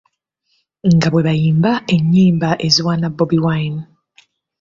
Nga bwe bayimba ennyimba eziwaana Bobi Wine.